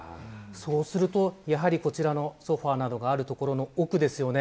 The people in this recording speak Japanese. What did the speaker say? そうすると、やはりこちらのソファなどがある所の奥ですよね。